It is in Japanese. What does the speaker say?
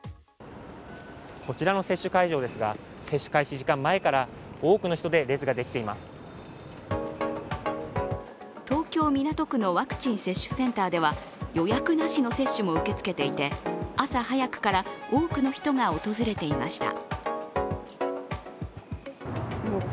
こちらの接種会場ですが、接種開始時間前から東京・港区のワクチン接種センターでは、予約なしの接種も受け付けていて、朝早くから多くの人が訪れていました。